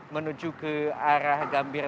menuju ke arah gambir